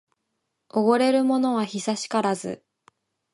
おごれるものは久しからず